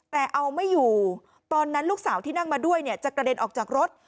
แต่เอาไม่อยู่ตอนนั้นลูกสาวที่นั่งมาด้วยเนี่ยจะกระเด็นออกจากรถ